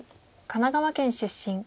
神奈川県出身。